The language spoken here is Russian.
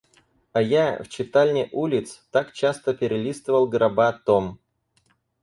А я — в читальне улиц — так часто перелистывал гроба том.